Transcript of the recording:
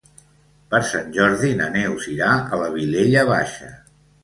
Per Sant Jordi na Neus irà a la Vilella Baixa.